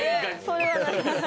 それはないです。